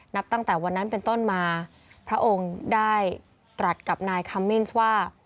นับตั้งแต่วันนั้นเป็นต้นมาพระองค์ได้ตรัสกับนายคัมมินส์ว่า